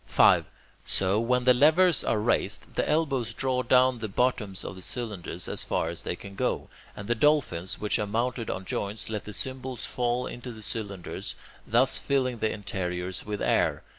5. So, when the levers are raised, the elbows draw down the bottoms of the cylinders as far as they can go; and the dolphins, which are mounted on joints, let the cymbals fall into the cylinders, thus filling the interiors with air.